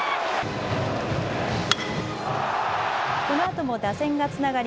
このあとも打線がつながり